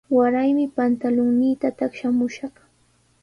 Waraymi pantulunniita taqshamushaq.